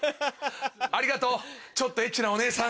ありがとうちょっとエッチなお姉さん。